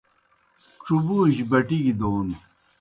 ڇُبُوجیْ بٹِگیْ دون